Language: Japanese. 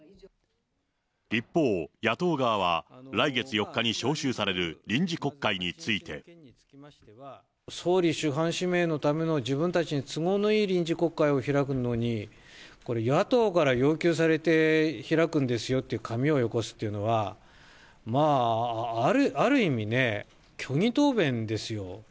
一方、野党側は来月４日に召集される臨時国会について。総理首班指名のための自分たちに都合のいい臨時国会を開くのに、これ、野党から要求されて開くんですよっていう紙をよこすっていうのは、まあ、ある意味ね、虚偽答弁ですよ。